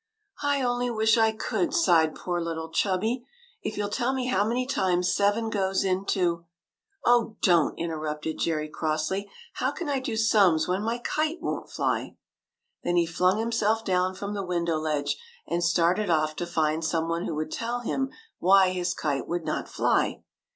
" I only wish I could," sighed poor little Chubby. '' If you '11 tell me how many times seven goes into —"" Oh, don't," interrupted Jerry, crossly. " How can I do sums when my kite won't fly ?" Then he flung himself down from the win dow ledge, and started off to find some one who would tell him why his kite would not fly.